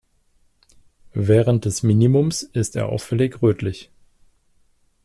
Während des Minimums ist er auffällig rötlich.